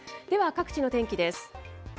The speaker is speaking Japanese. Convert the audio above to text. では、各地の天気です。